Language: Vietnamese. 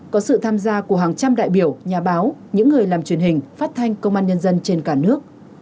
có sự tham gia của hàng trăm đại biểu nhà báo những người làm truyền hình phát thanh công an nhân dân trên cả nước